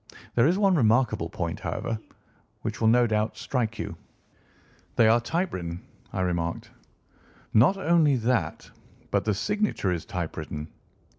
There is one remarkable point, however, which will no doubt strike you." "They are typewritten," I remarked. "Not only that, but the signature is typewritten.